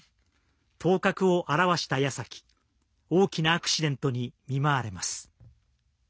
頭角を現したやさき大きなアクシデントに見舞われます。